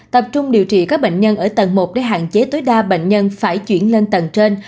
tập trung điều trị các bệnh nhân ở tầng một để hạn chế tối đa bệnh nhân phải chuyển lên tầng trên